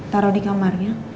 taruh di kamarnya